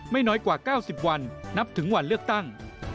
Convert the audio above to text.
ไม่น้อยกว่า๙๐วันนับถึงวันเลือกตั้ง